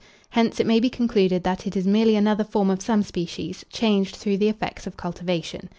Hence it may be concluded that it is merely another form of some species, changed through the effects of cultivation.